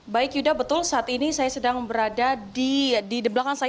baik yuda betul saat ini saya sedang berada di belakang saya